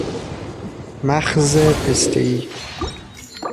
مخز پسته ای